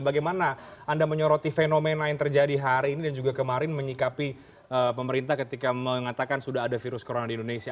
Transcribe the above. bagaimana anda menyoroti fenomena yang terjadi hari ini dan juga kemarin menyikapi pemerintah ketika mengatakan sudah ada virus corona di indonesia